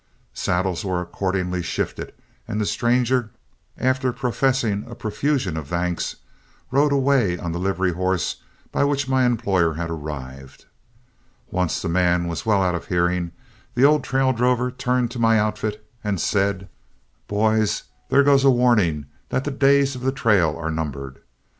Saddles were accordingly shifted, and the stranger, after professing a profusion of thanks, rode away on the livery horse by which my employer had arrived. Once the man was well out of hearing, the old trail drover turned to my outfit and said: "Boys, there goes a warning that the days of the trail are numbered.